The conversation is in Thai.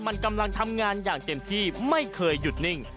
มันกำลังทำงานอย่างเต็มที่ไม่เคยหยุดนิ่ง